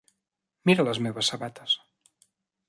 Mira les meves sabates.